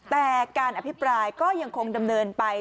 แต่การอภิปรายก็ยังคงดำเนินไป